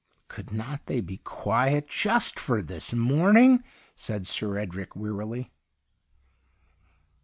'Could not they be quiet just for this morning ?' said Sir Edrie wearily.